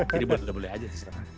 jadi boleh boleh aja sih sekarang